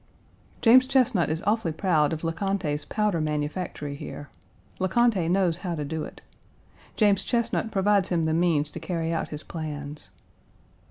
James Chesnut is awfully proud of Le Conte's powder manufactory here. Le Conte knows how to do it. James Chesnut provides him the means to carry out his plans.